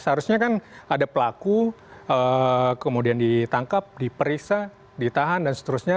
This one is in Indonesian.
ada pelaku kemudian ditangkap diperiksa ditahan dan seterusnya